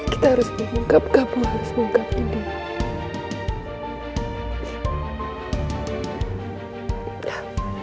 kita harus mengungkapkan kamu harus mengungkapkan dia